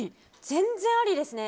全然ありですね。